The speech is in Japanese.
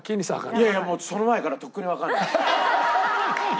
いやいやもうその前からとっくにわからない。